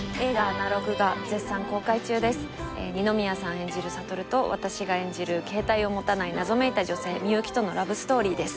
演じる悟と私が演じる携帯を持たない謎めいた女性みゆきとのラブストーリーです